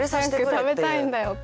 早く食べたいんだよって。